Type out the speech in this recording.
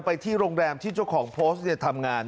ไปที่โรงแรมที่เจ้าของโพสต์เนี่ยเต็มงาน